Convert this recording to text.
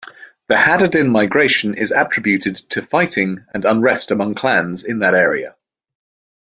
The Haddadin migration is attributed to fighting and unrest among clans in that area.